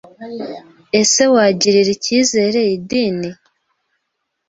Ese wagirira icyizere idini